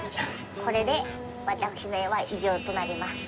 これで私の絵は以上となります。